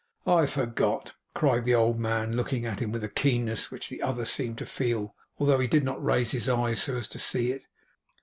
'I forgot,' cried the old man, looking at him with a keenness which the other seemed to feel, although he did not raise his eyes so as to see it.